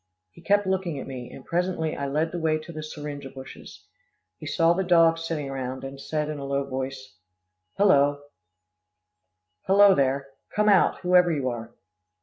He kept looking at me, and presently I led the way to the syringa bushes. He saw the dogs sitting round, and said in a low voice, "Hello! there come out, whoever you are."